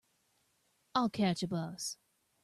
I'll catch a bus.